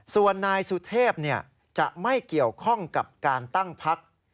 ส่วนนายสุเทพจะไม่เกี่ยวข้องกับการตั้งพัก